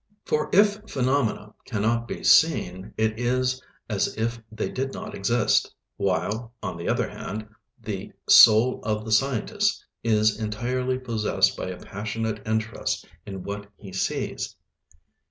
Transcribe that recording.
For if phenomena cannot be seen it is as if they did not exist, while, on the other hand, the soul of the scientist is entirely possessed by a passionate interest in what he sees.